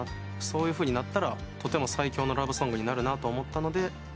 そういうふうになったらとても最強のラブソングになるなと思ったので。